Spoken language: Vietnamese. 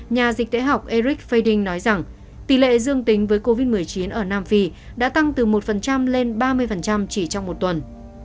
nhà dịch tễ học eric fading nói rằng tỷ lệ dương tính với covid một mươi chín ở nam phi đã tăng từ một lên ba mươi chỉ trong một tuần